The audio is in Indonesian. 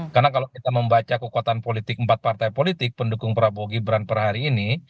karena kalau kita membaca kekuatan politik empat partai politik pendukung prabowo gibran per hari ini